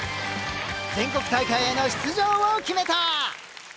全国大会への出場を決めた。